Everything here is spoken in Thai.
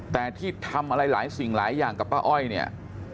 แต่ที่ทำอะไรหลายสิ่งหลายอย่างกับป้าอ้อยเนี่ย